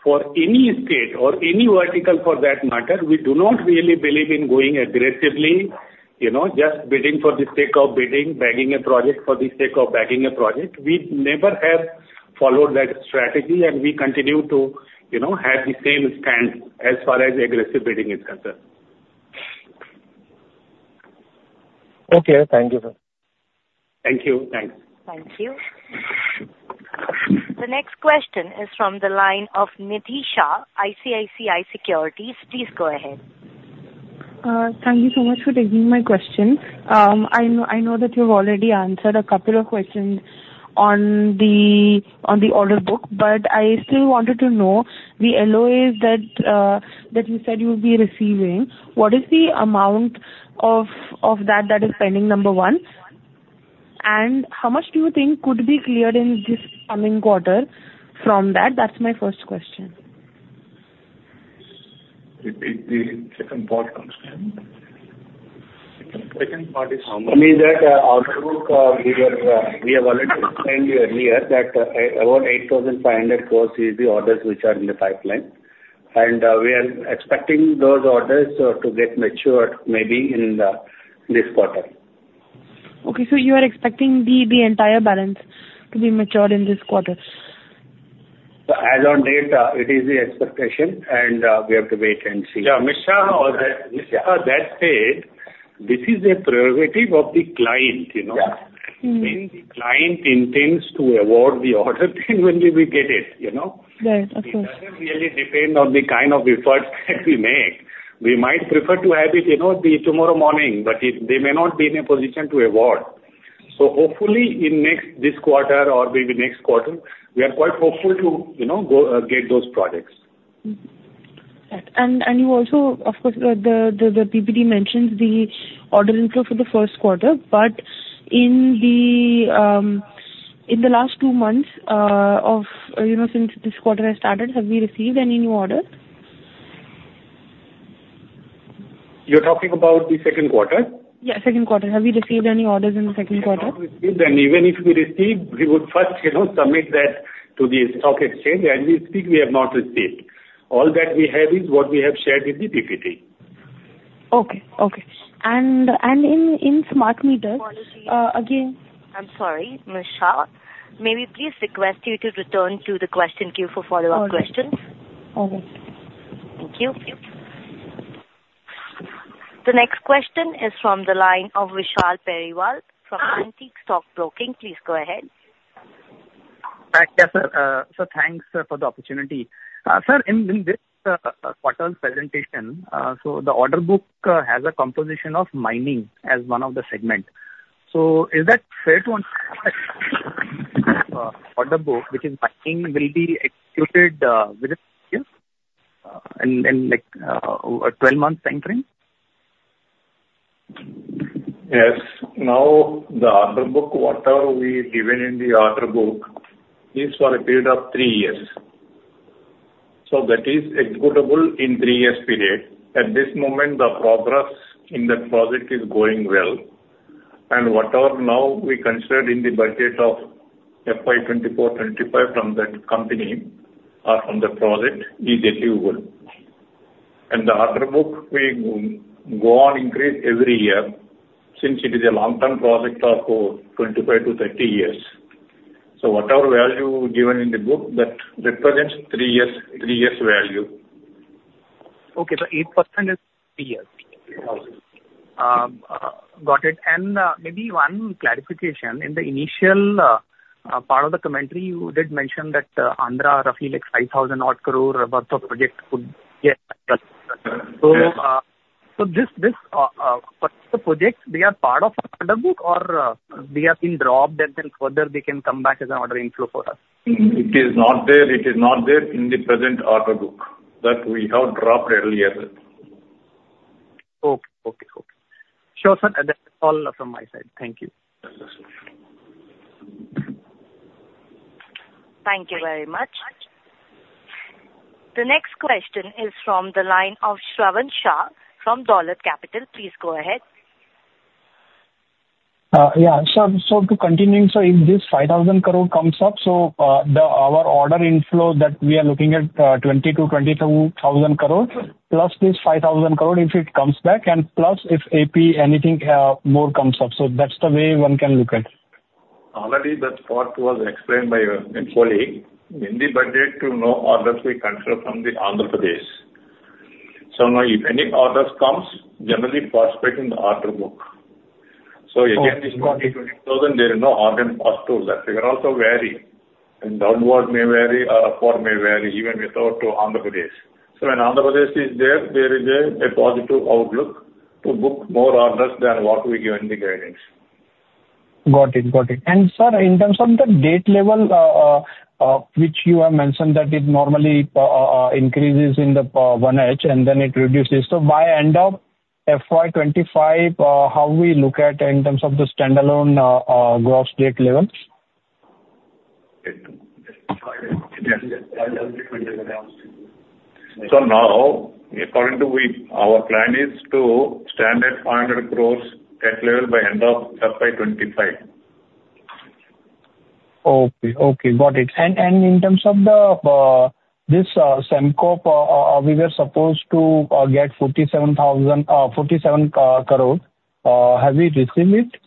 for any state or any vertical for that matter, we do not really believe in going aggressively, just bidding for the sake of bidding, bagging a project for the sake of bagging a project. We never have followed that strategy, and we continue to have the same stance as far as aggressive bidding is concerned. Okay. Thank you, sir. Thank you. Thanks. Thank you. The next question is from the line of Nitisha, ICICI Securities. Please go ahead. Thank you so much for taking my question. I know that you've already answered a couple of questions on the order book, but I still wanted to know the LOAs that you said you'll be receiving. What is the amount of that that is pending, number one? And how much do you think could be cleared in this coming quarter from that? That's my first question. The second part comes to you. I mean, that order book, we have already explained earlier that around 8,500 crore is the orders which are in the pipeline. And we are expecting those orders to get matured maybe in this quarter. Okay. So you are expecting the entire balance to be matured in this quarter? As on date, it is the expectation, and we have to wait and see. Yeah. Mishra, as I said, this is a priority of the client. When the client intends to award the order, then only we get it. Right. Of course. It doesn't really depend on the kind of efforts that we make. We might prefer to have it tomorrow morning, but they may not be in a position to award. So hopefully, in this quarter or maybe next quarter, we are quite hopeful to get those projects. You also, of course, the PPT mentions the order inflow for the first quarter. But in the last two months since this quarter has started, have we received any new orders? You're talking about the second quarter? Yeah. Second quarter. Have we received any orders in the second quarter? We have not received any. Even if we receive, we would first submit that to the stock exchange. As we speak, we have not received. All that we have is what we have shared with the PPT. Okay. Okay. And in smart meters, again. I'm sorry, Mishra. May we please request you to return to the question queue for follow-up questions? Okay. Thank you. The next question is from the line of Vishal Periwal from Antique Stock Broking. Please go ahead. Yes, sir. Thanks for the opportunity. Sir, in this quarter's presentation, so the order book has a composition of mining as one of the segments. Is that fair to understand that the order book, which is mining, will be executed within 12 months entering? Yes. Now, the order book, whatever we given in the order book, is for a period of 3 years. So that is executable in 3 years' period. At this moment, the progress in the project is going well. And whatever now we considered in the budget of FY 2024-25 from that company or from the project is achievable. And the order book will go on increase every year since it is a long-term project of 25-30 years. So whatever value given in the book that represents 3 years' value. Okay. 8% is three years. Got it. Maybe one clarification. In the initial part of the commentary, you did mention that Andhra roughly, 5,000-odd crore worth of project would get addressed. So these projects, they are part of the order book or they have been dropped and then further they can come back as an order inflow for us? It is not there. It is not there in the present order book that we have dropped earlier. Okay. Okay. Okay. Sure, sir. That's all from my side. Thank you. Thank you very much. The next question is from the line of Shravan Shah from Dolat Capital. Please go ahead. Yeah. So continuing, sir, if this 5,000 crore comes up, so our order inflow that we are looking at 22,000 crore plus this 5,000 crore if it comes back and plus if AP anything more comes up. So that's the way one can look at it. Already that part was explained by your colleague. In the budget, no orders we consider from the Andhra Pradesh. So now if any orders come, generally projecting the order book. So again, this 22,000 crore, there is no order in addition to that. It can also vary. Downward may vary or upward may vary even without Andhra Pradesh. So when Andhra Pradesh is there, there is a positive outlook to book more orders than what we given in the guidance. Got it. Got it. And sir, in terms of the debt level which you have mentioned that it normally increases in the 1H and then it reduces, so by end of FY 2025, how we look at in terms of the standalone gross debt level? Now, according to our plan, is to stand at 500 crore level by end of FY 2025. Okay. Okay. Got it. And in terms of this Sembcorp, we were supposed to get 47,000, 47 crore. Have we received it?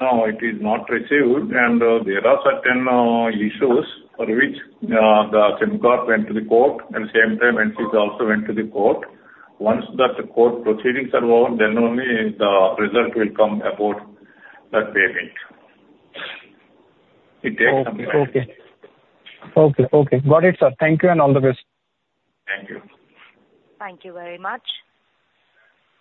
No. It is not received. There are certain issues for which the Sembcorp went to the court. At the same time, NCC also went to the court. Once that court proceedings are over, then only the result will come about that payment. It takes some time. Okay. Okay. Okay. Okay. Got it, sir. Thank you and all the best. Thank you. Thank you very much.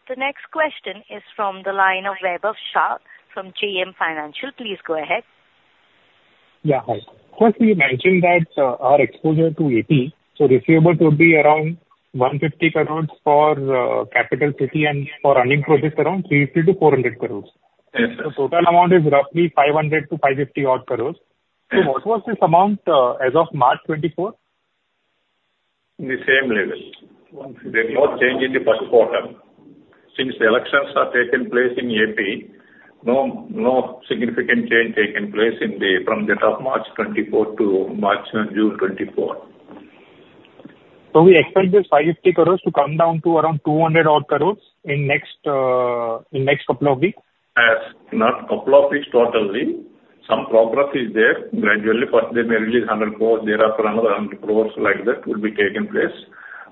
The next question is from the line of Vaibhav Shah from JM Financial. Please go ahead. Yeah. First, we mentioned that our exposure to AP, so receivable would be around 150 crore for capital city and for running projects around 350 crore-400 crore. Yes, sir. The total amount is roughly 500-550 crore. So what was this amount as of March 2024? At the same level. There's no change in the first quarter. Since the elections are taking place in AP, no significant change taking place from the date of March 2024 to June 2024. We expect this 550 crore to come down to around 200 odd crore in the next couple of weeks? Not a couple of weeks totally. Some progress is there. Gradually, first, they may release 100 crore. Thereafter, another 100 crore like that will be taking place.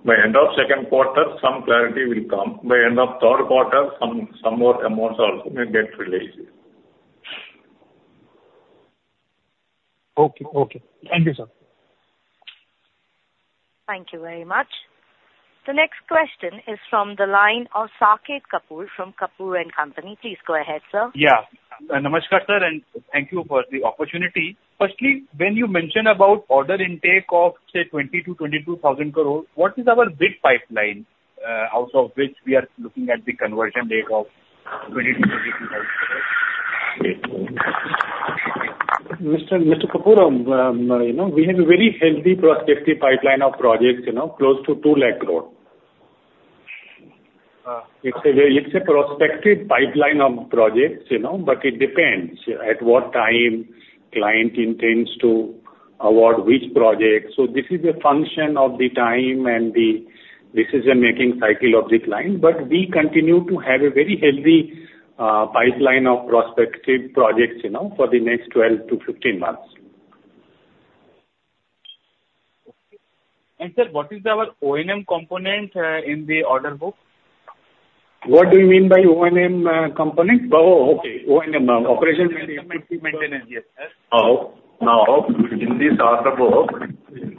By end of second quarter, some clarity will come. By end of third quarter, some more amounts also may get released. Okay. Okay. Thank you, sir. Thank you very much. The next question is from the line of Saket Kapoor from Kapoor & Co. Please go ahead, sir. Yeah. Namaskar sir, and thank you for the opportunity. Firstly, when you mentioned about order intake of, say, 22,000-22,000 crore, what is our bid pipeline out of which we are looking at the conversion rate of 22,000-22,000 crores? Mr. Kapoor, we have a very healthy prospective pipeline of projects, close to 200,000 crore. It's a prospective pipeline of projects, but it depends at what time client intends to award which project. So this is a function of the time and the decision-making cycle of the client. But we continue to have a very healthy pipeline of prospective projects for the next 12 to 15 months. Sir, what is our O&M component in the order book? What do you mean by O&M component? Oh, okay. O&M, operation and maintenance. Operation maintenance, yes, sir. Now, in this order book,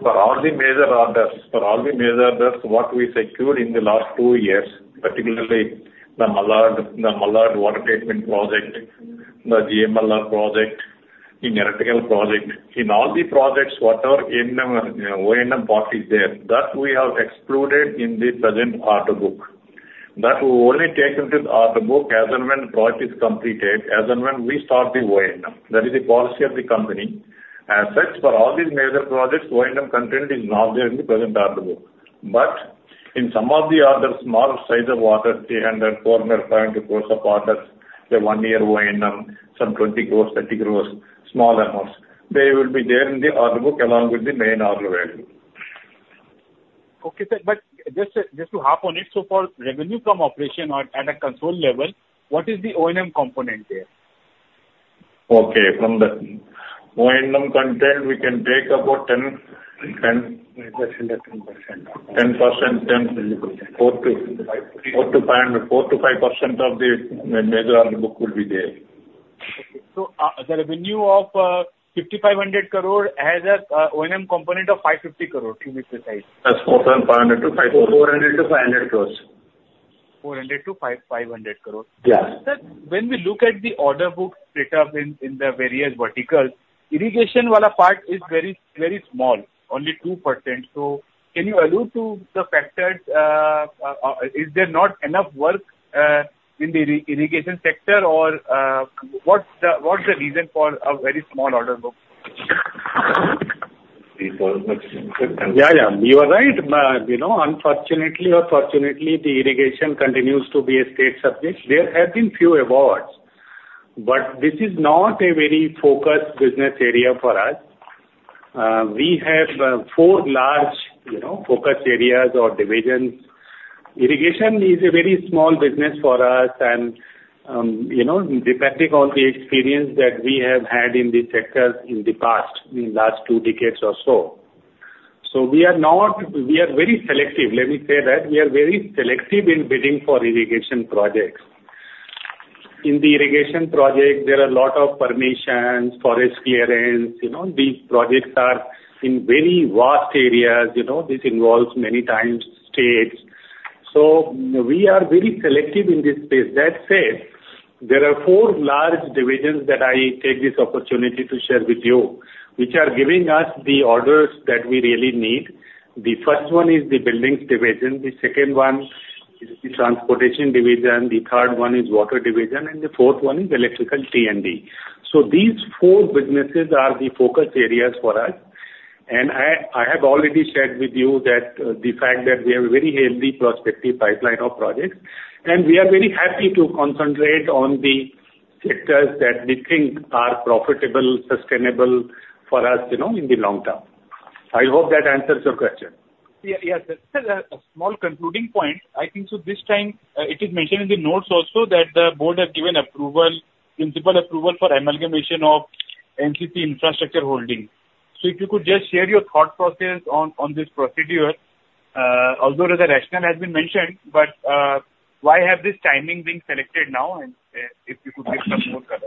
for all the major orders, for all the major orders, what we secured in the last two years, particularly the Malad water treatment project, the Malad project, the Vizag project, in all the projects, whatever O&M part is there, that we have excluded in the present order book. That will only take into the order book as and when the project is completed, as and when we start the O&M. That is the policy of the company. As such, for all these major projects, O&M content is not there in the present order book. But in some of the other small size of orders, 300 crore, 400 crore, 500 crore orders, the one-year O&M, some 20 crore, 30 crore, small amounts, they will be there in the order book along with the main order value. Okay, sir. But just to hop on it, so for revenue from operation at a control level, what is the O&M component there? Okay. From the O&M content, we can take about 10. 10. 10%. 10%. 10%. 400-500, 4%-5% of the major order book will be there. Okay. So the revenue of 5,500 crore has an O&M component of 550 crore, to be precise. That's 4,500 to 500. 400 crore-INR 500 crore. 400 crore-500 crore. Yes. Sir, when we look at the order book setup in the various verticals, irrigation part is very small, only 2%. So can you allude to the factors? Is there not enough work in the irrigation sector, or what's the reason for a very small order book? Yeah, yeah. You are right. Unfortunately or fortunately, the irrigation continues to be a state subject. There have been few awards, but this is not a very focused business area for us. We have four large focus areas or divisions. Irrigation is a very small business for us, and depending on the experience that we have had in the sector in the past, in the last two decades or so. So we are very selective. Let me say that. We are very selective in bidding for irrigation projects. In the irrigation project, there are a lot of permissions, forest clearance. These projects are in very vast areas. This involves many times states. So we are very selective in this space. That said, there are four large divisions that I take this opportunity to share with you, which are giving us the orders that we really need. The first one is the buildings division. The second one is the transportation division. The third one is water division. And the fourth one is electrical T&D. So these four businesses are the focus areas for us. And I have already shared with you that the fact that we have a very healthy prospective pipeline of projects. And we are very happy to concentrate on the sectors that we think are profitable, sustainable for us in the long term. I hope that answers your question. Yes, sir. Sir, a small concluding point. I think so this time, it is mentioned in the notes also that the board has given approval, in-principle approval for amalgamation of NCC Infrastructure Holdings. So if you could just share your thought process on this procedure, although the rationale has been mentioned, but why has this timing been selected now? And if you could give some more color.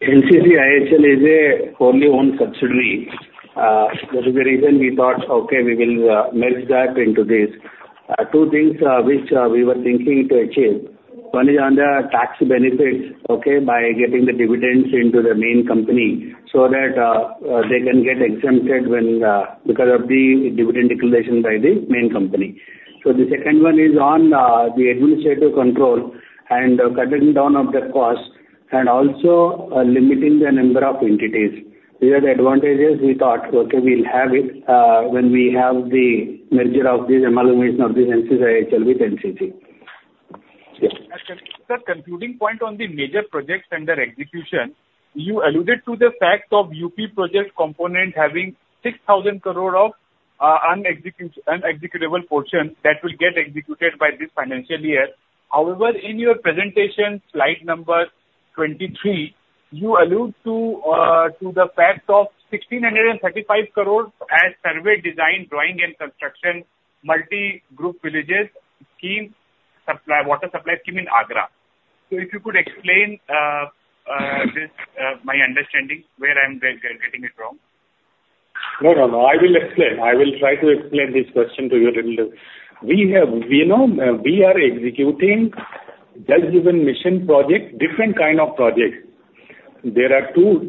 NCC IHL is a wholly owned subsidiary. That is the reason we thought, okay, we will merge that into this. Two things which we were thinking to achieve. One is on the tax benefits, okay, by getting the dividends into the main company so that they can get exempted because of the dividend declaration by the main company. So the second one is on the administrative control and cutting down of the cost and also limiting the number of entities. These are the advantages we thought, okay, we'll have it when we have the merger of this amalgamation of this NCC IHL with NCC. Sir, concluding point on the major projects and their execution, you alluded to the fact of UP project component having 6,000 crore of unexecutable portion that will get executed by this financial year. However, in your presentation, slide number 23, you allude to the fact of 1,635 crore as survey design, drawing, and construction, multi-group villages scheme, water supply scheme in Agra. So if you could explain this, my understanding, where I'm getting it wrong? No, no, no. I will explain. I will try to explain this question to you a little bit. We are executing Jal Jeevan Mission projects, different kinds of projects. There are two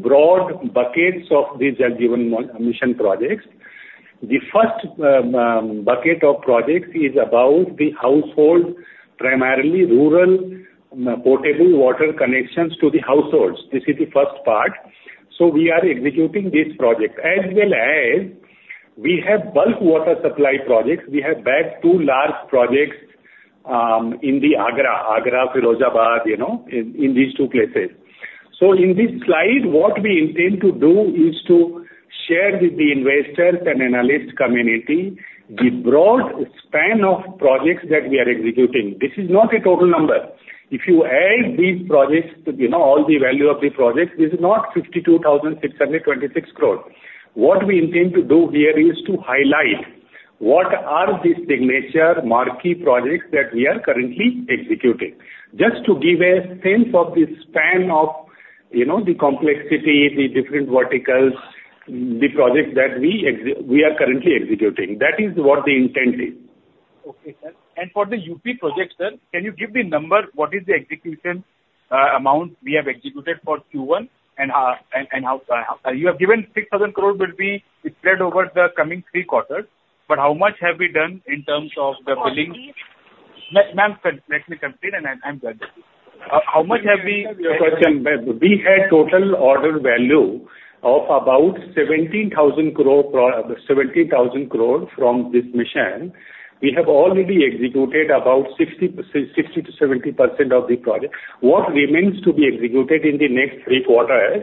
broad buckets of these Jal Jeevan Mission projects. The first bucket of projects is about the households, primarily rural potable water connections to the households. This is the first part. So we are executing this project. As well as we have bulk water supply projects. We have two large projects in Agra, Firozabad, in these two places. So in this slide, what we intend to do is to share with the investors and analyst community the broad span of projects that we are executing. This is not a total number. If you add these projects, all the value of the projects, this is not 52,626 crore. What we intend to do here is to highlight what are these signature, marquee projects that we are currently executing. Just to give a sense of the span of the complexity, the different verticals, the projects that we are currently executing. That is what the intent is. Okay, sir. For the UP project, sir, can you give the number, what is the execution amount we have executed for Q1? You have given 6,000 crore will be spread over the coming three quarters. But how much have we done in terms of the billing? Please? Ma'am, let me complete, and I'm done with this. How much have we? We had total order value of about 17,000 crore from this mission. We have already executed about 60%-70% of the project. What remains to be executed in the next three quarters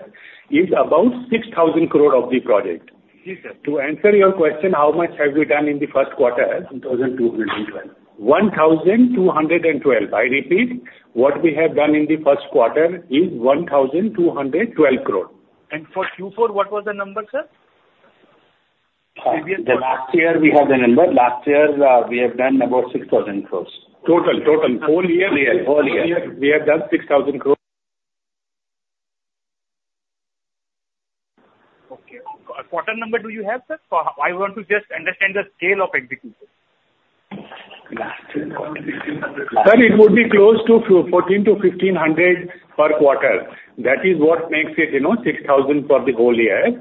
is about 6,000 crore of the project. Yes, sir. To answer your question, how much have we done in the first quarter? 1,212. 1,212. I repeat, what we have done in the first quarter is 1,212 crore. For Q4, what was the number, sir? The last year, we have the number. Last year, we have done about 6,000 crore. Total, total? Whole year, whole year, we have done 6,000 crore. Okay. What number do you have, sir? I want to just understand the scale of execution. Sir, it would be close to 1,400-1,500 per quarter. That is what makes it 6,000 for the whole year.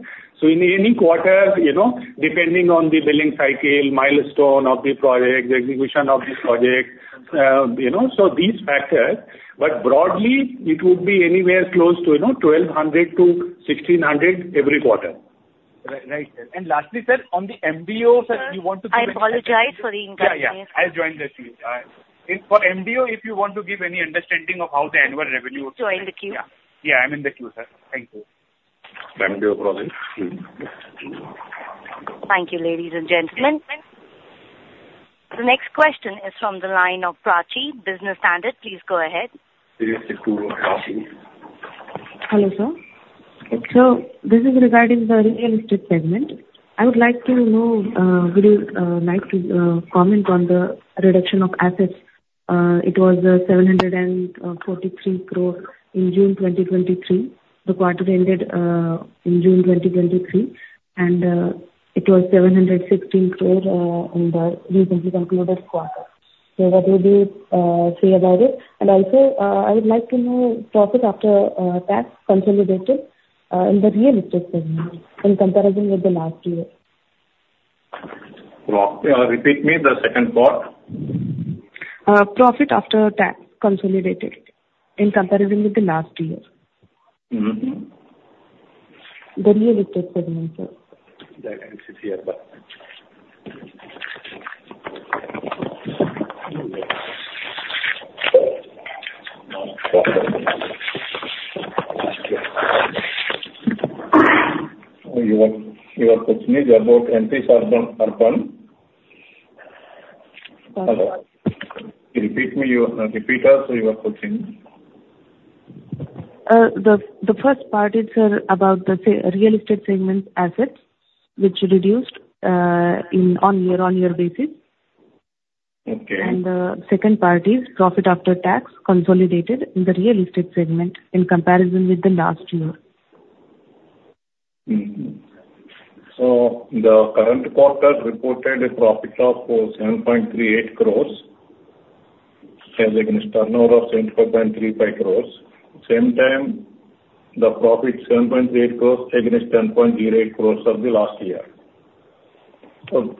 So in any quarter, depending on the billing cycle, milestone of the project, the execution of the project, so these factors. But broadly, it would be anywhere close to 1,200-1,600 every quarter. Right, sir. And lastly, sir, on the MDO, sir, you want to give us? I apologize for the interruption. Yeah, yeah. I'll join the team. For MDO, if you want to give any understanding of how the annual revenue would be. Join the queue. Yeah, I'm in the queue, sir. Thank you. MDO project. Thank you, ladies and gentlemen. The next question is from the line of Prachi, Business Standard. Please go ahead. Over to Prachi. Hello, sir. So this is regarding the real estate segment. I would like to know, would you like to comment on the reduction of assets? It was 743 crore in June 2023. The quarter ended in June 2023, and it was 716 crore in the recently concluded quarter. So what would you say about it? And also, I would like to know profit after tax consolidated in the real estate segment in comparison with the last year. Repeat me the second part. Profit after tax consolidated in comparison with the last year. The real estate segment, sir. The NCC Urban. You are questioning about NCC Urban? Hello? Repeat me. Repeat us, or you are questioning? The first part is, sir, about the real estate segment assets, which reduced on a year-over-year basis. The second part is profit after tax consolidated in the real estate segment in comparison with the last year. So the current quarter reported a profit of 7.38 crores against a turnover of 75.35 crores. Same time, the profit 7.38 crores against 10.08 crores of the last year. So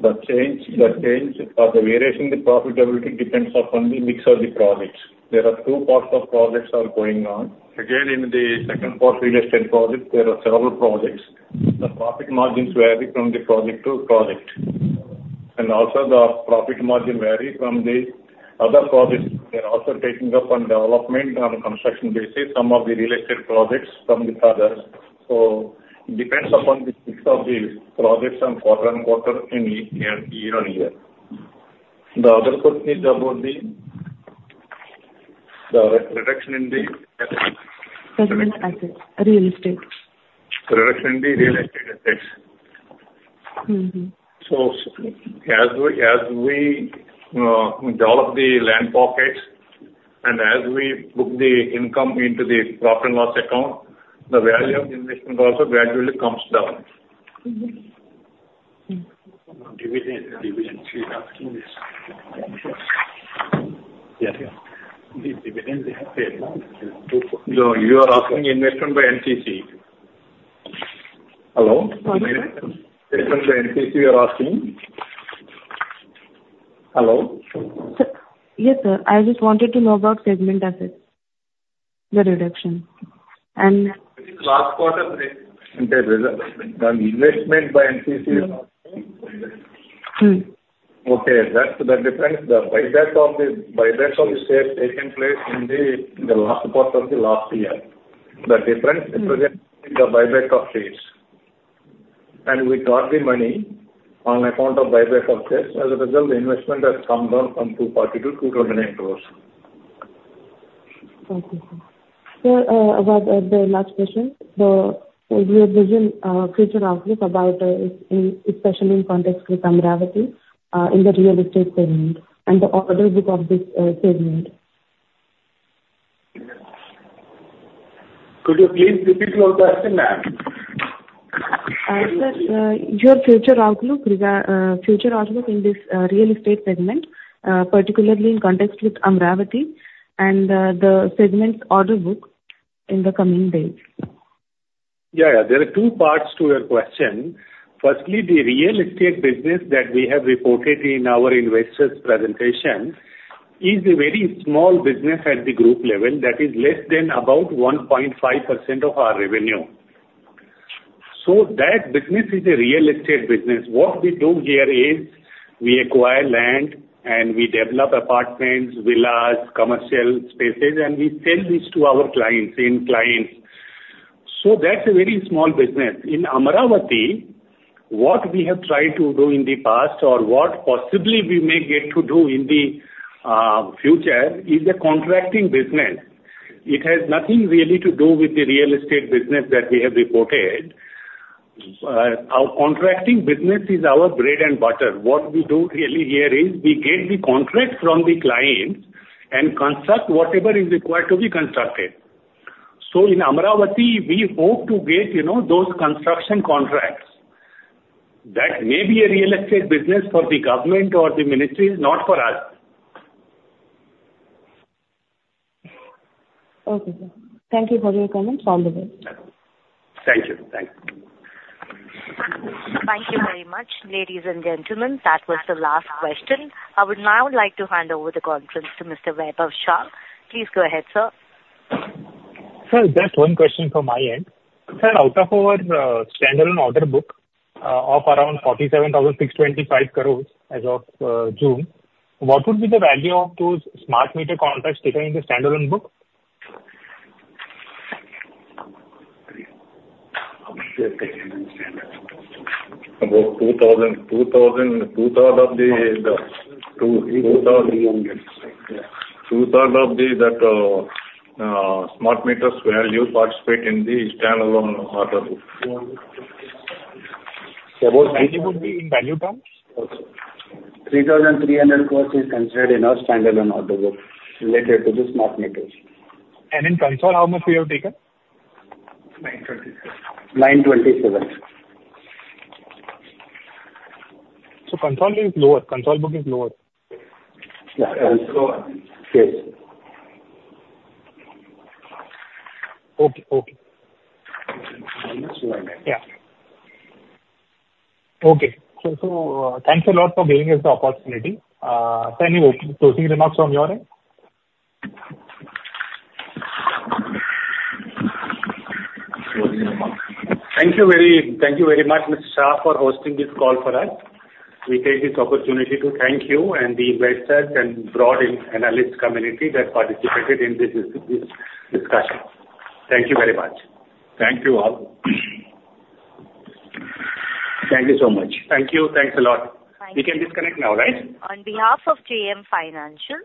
the change or the variation in the profitability depends upon the mix of the projects. There are two parts of projects that are going on. Again, in the second part, real estate projects, there are several projects. The profit margins vary from the project to project. And also, the profit margin varies from the other projects. They're also taking up on development on a construction basis, some of the real estate projects from the others. So it depends upon the mix of the projects from quarter on quarter and year on year. The other question is about the reduction in the. Segment assets, real estate. Reduction in the real estate assets. So as we develop the land pockets and as we book the income into the profit and loss account, the value of the investment also gradually comes down. Dividend. Dividend. She's asking this. Yeah, yeah. Dividend they have paid. No, you are asking investment by NCC. Hello? Sorry? Investment by NCC, you are asking? Hello? Yes, sir. I just wanted to know about segment assets, the reduction. And. Last quarter. Okay. The investment by NCC. Okay. That's the difference. The buyback of the buyback of the shares taken place in the last quarter of the last year. The difference represents the buyback of shares. We got the money on account of buyback of shares. As a result, the investment has come down from 240 crore to 229 crore. Thank you, sir. Sir, about the last question, we have vision future outlook about especially in context with Amaravati in the real estate segment and the order book of this segment. Could you please repeat your question, ma'am? Sir, your future outlook in this real estate segment, particularly in context with Amaravati and the segment's order book in the coming days? Yeah, yeah. There are two parts to your question. Firstly, the real estate business that we have reported in our investors' presentation is a very small business at the group level that is less than about 1.5% of our revenue. So that business is a real estate business. What we do here is we acquire land and we develop apartments, villas, commercial spaces, and we sell these to our clients, same clients. So that's a very small business. In Amaravati, what we have tried to do in the past or what possibly we may get to do in the future is a contracting business. It has nothing really to do with the real estate business that we have reported. Our contracting business is our bread and butter. What we do really here is we get the contract from the client and construct whatever is required to be constructed. In Amaravati, we hope to get those construction contracts. That may be a real estate business for the government or the ministry, not for us. Okay, sir. Thank you for your comments. All the best. Thank you. Thanks. Thank you very much, ladies and gentlemen. That was the last question. I would now like to hand over the conference to Mr. Vaibhav Shah. Please go ahead, sir. Sir, just one question from my end. Sir, out of our standalone order book of around 47,625 crore as of June, what would be the value of those smart meter contracts taken in the standalone book? About 2,000. About 2,000. That smart meters where you participate in the standalone Order Book. About 3,000. Anything in value terms? 3,300 crore is considered in our standalone order book related to the smart meters. And in consolidated, how much we have taken? 927. 927. So order book is lower. Order book is lower. Yeah. Lower. Yes. Okay, okay. Yeah. Okay. Thanks a lot for giving us the opportunity. Sir, any closing remarks from your end? Thank you very much, Mr. Shah, for hosting this call for us. We take this opportunity to thank you and the investors and broad analyst community that participated in this discussion. Thank you very much. Thank you all. Thank you so much. Thank you. Thanks a lot. Thank you. We can disconnect now, right? On behalf of JM Financial,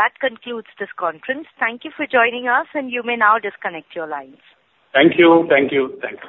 that concludes this conference. Thank you for joining us, and you may now disconnect your lines. Thank you. Thank you. Thank you.